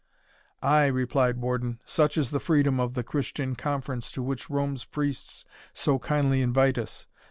"Ay," replied Warden, "such is the freedom of the Christian conference to which Rome's priests so kindly invite us!